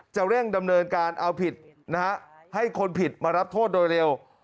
จะเร่งดำเนินการเอาผิดนะฮะให้คนผิดมารับโทษโดยเร็ว